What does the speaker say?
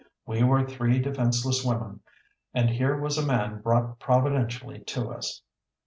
We were three defenseless women, and here was a man brought providentially to us!